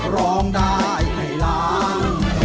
ร้องได้ให้ล้าน